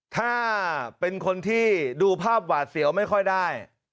ถ้าเป็นคนที่ดูภาพหวาดเสียวไม่ค่อยได้